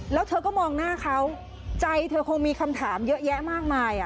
แล้วเธอก็มองหน้าเขาใจเธอคงมีคำถามเยอะแยะมากมาย